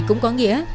cũng có nghĩa